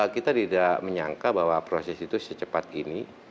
kita tidak menyangka bahwa proses itu secepat ini